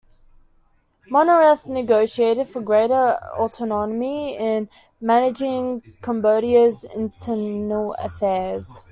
Monireth negotiated for greater autonomy in managing Cambodia's internal affairs.